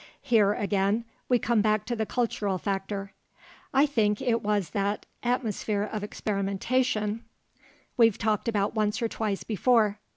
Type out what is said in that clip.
Here, again, we come back to the cultural factor. I think it was that "atmosphere of experimentation" we've talked about once or twice before.